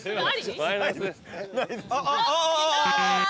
はい。